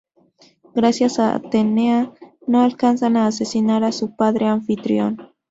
Gracias a Atenea no alcanza a asesinar a su padre Anfitrión.